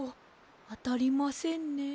あたりませんね。